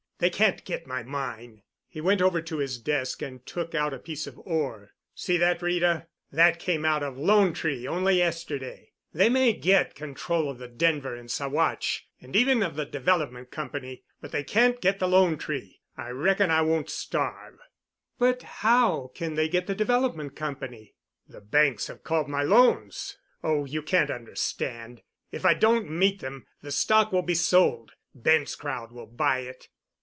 They can't get my mine." He went over to his desk and took out a piece of ore. "See that, Rita; that came out of 'Lone Tree' only yesterday. They may get a control of the Denver and Saguache and even of the Development Company, but they can't get the 'Lone Tree.' I reckon I won't starve." "But how can they get the Development Company?" "The banks have called my loans—oh, you can't understand. If I don't meet them, the stock will be sold. Bent's crowd will buy it."